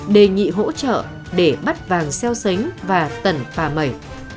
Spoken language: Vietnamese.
đề nghị hỗ trợ để bắt vàng xeo xánh và tẩn phà mẩy